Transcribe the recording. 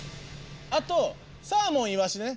あとサーモンいわしね。